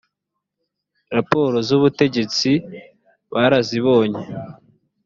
raporo z ubutegetsi barazibonye